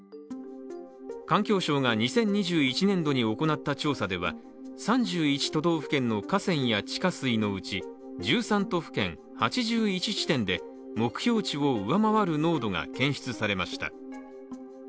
環境省が２０２１年度に行った調査では３１都道府県の河川や地下水のうち１３都府県８１地点で目標値を上回る濃度が検出されました。